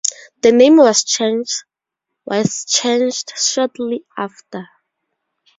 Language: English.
The name was changed shortly after.